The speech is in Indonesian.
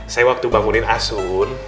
saya waktu bangunin asun